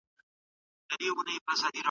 موږ به د خپلو حقونو لپاره مبارزه کوو.